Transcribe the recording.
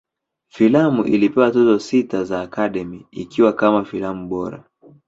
Filamu ilipewa Tuzo sita za Academy, ikiwa kama filamu bora.